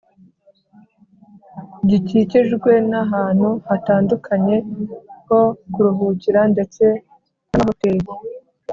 gikikijwe n’ahantu hatandukanye ho kuruhukira ndetse n’amahoteri